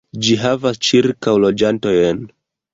Ĝi havas ĉirkaŭ loĝantojn.